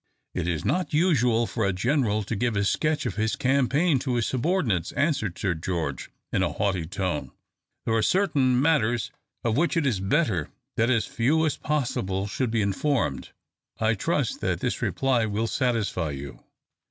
"It is not usual for a general to give a sketch of his campaign to his subordinates," answered Sir George, in a haughty tone. "There are certain matters of which it is better that as few as possible should be informed. I trust that this reply will satisfy you."